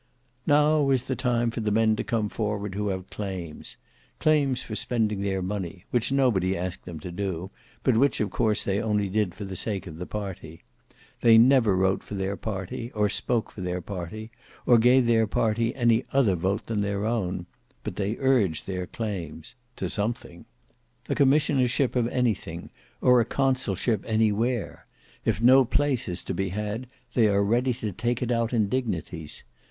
Now is the time for the men to come forward who have claims; claims for spending their money, which nobody asked them to do, but which of course they only did for the sake of the party. They never wrote for their party, or spoke for their party, or gave their party any other vote than their own; but they urge their claims,—to something; a commissionership of anything, or a consulship anywhere; if no place to be had, they are ready to take it out in dignities.